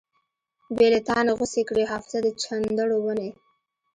بې لتانۀ غوڅې کړې حافظه د چندڼو ونې